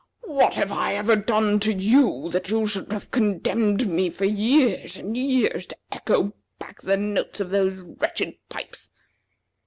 What have I ever done to you that you should have condemned me for years and years to echo back the notes of those wretched pipes?"